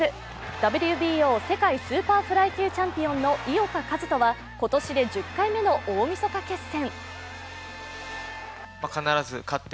ＷＢＯ世界スーパーフライ級チャンピオンの井岡一翔は今年で１０回目の大みそか決戦。